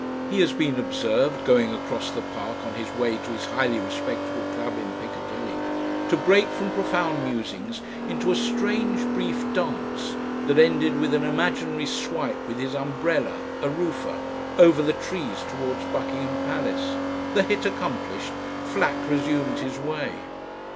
He has been observed, going across the Park on his way to his highly respectable club in Piccadilly, to break from profound musings into a strange brief dance that ended with an imaginary swipe with his umbrella, a roofer, over the trees towards Buckingham Palace. The hit accomplished, Flack resumed his way.